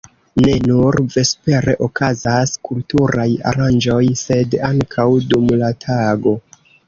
Ne nur vespere okazas kulturaj aranĝoj, sed ankaŭ dum la tago.